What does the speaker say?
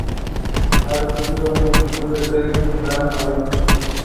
She was appointed head coach of the Turkey national team.